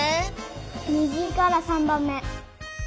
みぎから３ばんめ。